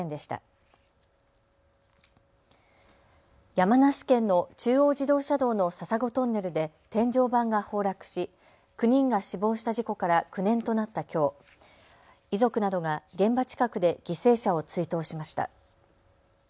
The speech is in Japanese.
山梨県の中央自動車道の笹子トンネルで天井板が崩落し９人が死亡した事故から９年となったきょう、遺族などが現場近くで犠牲者を追悼しました。